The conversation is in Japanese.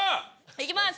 いきます！